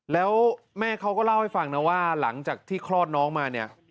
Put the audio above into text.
แล้วแม่เขาก็เล่าให้ฟังนะว่าหลังจากที่คลอดน้องมาเนี่ย